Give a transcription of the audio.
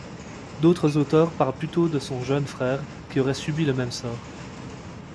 D'autres auteurs parlent plutôt de son jeune frère, qui aurait subi le même sort.